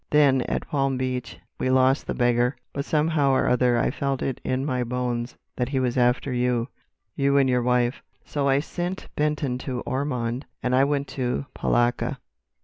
Then, at Palm Beach, we lost the beggar, but somehow or other I felt it in my bones that he was after you—you and your wife. So I sent Benton to Ormond and I went to Palatka.